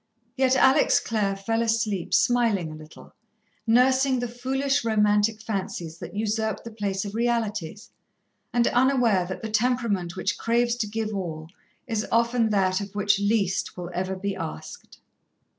Yet Alex Clare fell asleep smiling a little, nursing the foolish, romantic fancies that usurped the place of realities, and unaware that the temperament which craves to give all, is often that of which least will ever be asked.